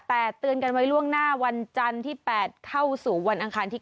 แต่เตือนกันไว้ล่วงหน้าวันจันทร์ที่๘เข้าสู่วันอังคารที่๙